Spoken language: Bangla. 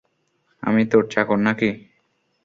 আমি তোর চাকর না-কি?